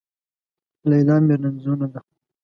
ليلا مې رنځونه ده